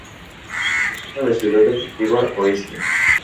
Se encuentra en la Ciudad Deportiva Oeste.